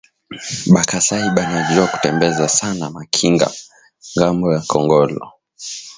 Ba kasayi bana juwa kutembeza sana ma kinga ngambo ya kongolo